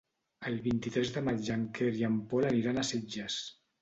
El vint-i-tres de maig en Quer i en Pol aniran a Sitges.